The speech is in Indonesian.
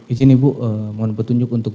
izin ibu mohon petunjuk untuk